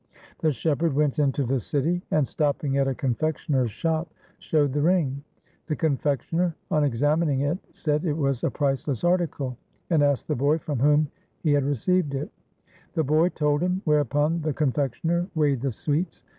The shepherd went into the city, and stopping at a confectioner's shop showed the ring. The con fectioner on examining it said it was a priceless LIFE OF GURU TEG BAHADUR 377 article, and asked the boy from whom he had received it. The boy told him, whereupon the con fectioner weighed the sweets.